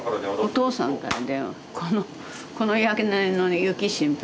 お父さんから電話。